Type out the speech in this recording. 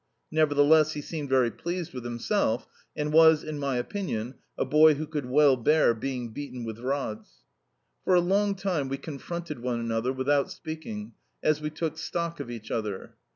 Nevertheless he seemed very pleased with himself, and was, in my opinion, a boy who could well bear being beaten with rods. For a long time we confronted one another without speaking as we took stock of each other.